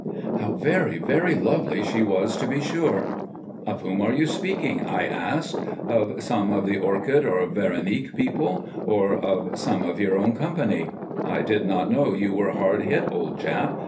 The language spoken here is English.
"How very, very lovely she was to be sure!" "Of whom are you speaking?" I asked. "Of some of the Orchid or Veronique people, or of some of your own company? I did not know you were hard hit old chap."